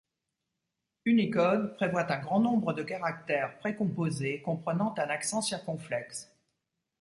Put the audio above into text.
Unicode prévoit un grand nombre de caractères précomposés comprenant un accent circonflexe.